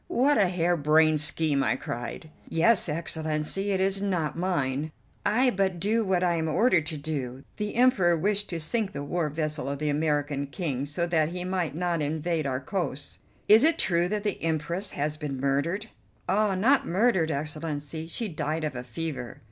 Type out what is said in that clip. "What a hairbrained scheme!" I cried. "Yes, Excellency, it is not mine. I but do what I am ordered to do. The Emperor wished to sink the war vessel of the American King so that he might not invade our coasts." "Is it true that the Empress has been murdered?" "Ah, not murdered, Excellency; she died of a fever."